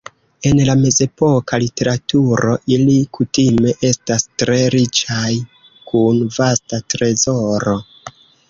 En la mezepoka literaturo, ili kutime estas tre riĉaj kun vasta trezoro.